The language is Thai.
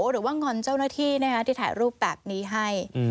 งอนเจ้าหน้าที่ที่ถ่ายรูปแบบนี้ให้